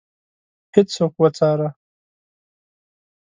هیڅوک وڅاره.